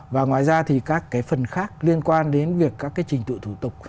và ngoài ra thì các cái phần khác liên quan đến việc các cái trình tự thủ tục